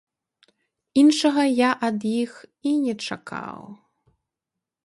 Іншага я ад іх і не чакаў.